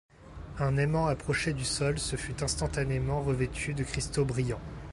Un aimant approché du sol, se fût instantanément revêtu de cristaux brillants.